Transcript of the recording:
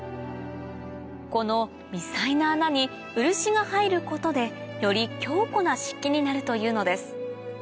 この微細な穴に漆が入ることでより強固な漆器になるというのです